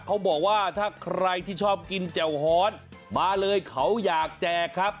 เขาบอกว่าถ้าใครที่ชอบกินแจ่วฮอนมาเลยเขาอยากแจกครับ